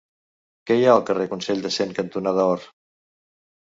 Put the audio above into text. Què hi ha al carrer Consell de Cent cantonada Or?